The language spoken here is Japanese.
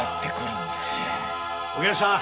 お客さん！